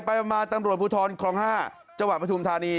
ไปมาตำรวจภูทรคลอง๕จังหวัดปฐุมธานี